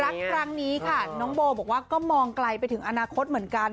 รักครั้งนี้ค่ะน้องโบบอกว่าก็มองไกลไปถึงอนาคตเหมือนกัน